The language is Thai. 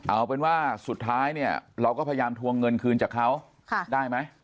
เอาเป็นว่าสุดท้ายเนี่ยเราก็พยายามทวงเงินคืนจากเขาได้ไหม